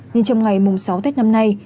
nhưng trong ngày mùng sáu tết năm nay